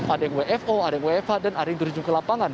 ada yang wfo ada yang wfa dan ada yang dirujuk ke lapangan